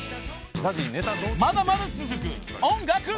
［まだまだ続く音楽トーク］